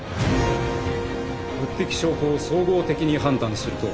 物的証拠を総合的に判断すると。